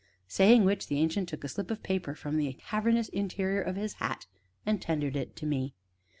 Saying which, the Ancient took a slip of paper from the cavernous interior of his hat and tendered it to me.